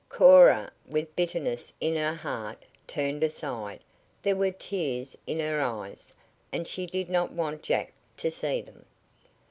Cora, with bitterness in her heart, turned aside. There were tears in her eyes, and she did not want Jack to see them.